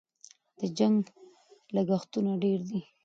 د جنګ لګښتونه ډېر دي.